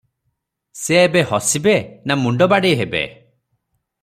ସେ ଏବେ ହସିବେ, ନା ମୁଣ୍ଡ ବାଡେଇ ହେବେ?